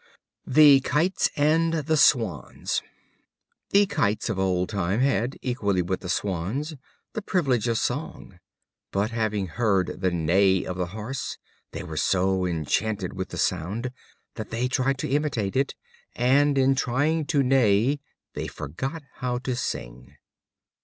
The Kites and the Swans. The Kites of old time had, equally with the Swans, the privilege of song. But having heard the neigh of the horse, they were so enchanted with the sound, that they tried to imitate it; and, in trying to neigh, they forgot how to sing.